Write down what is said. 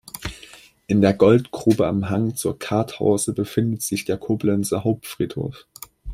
In der Goldgrube am Hang zur Karthause befindet sich der Koblenzer Hauptfriedhof.